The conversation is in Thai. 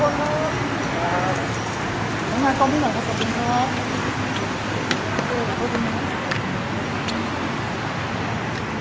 โอเคนะครับ